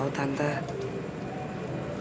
bila tetap ngeneh